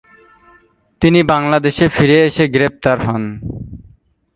তিনি বাংলাদেশে ফিরে এসে গ্রেপ্তার হন।